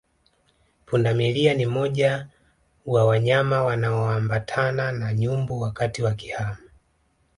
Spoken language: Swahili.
Pundamilia ni moja wa wanyama wanaoambatana na nyumbu wakati wakihama